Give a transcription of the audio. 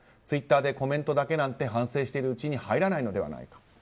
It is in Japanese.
ツイッターでコメントだけなんて反省してるうちに入らないんじゃないか。